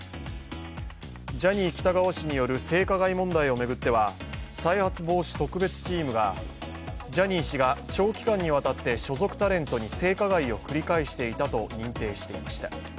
ジャニー喜多川氏による性加害問題を巡っては再発防止特別チームがジャニー氏が長期間にわたって所属タレントに性加害を繰り返していたと認定していました。